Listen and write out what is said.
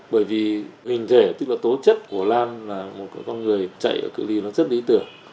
bởi vì hình thể tức là tố chất của lan là một con người chạy ở cự li nó rất lý tưởng